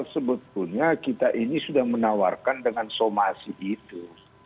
sebetulnya kita ini sudah menawarkan dengan somasi itu